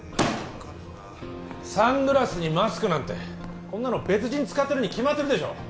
中身がサングラスにマスクなんてこんなの別人使ってるに決まってるでしょう